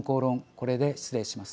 これで失礼します。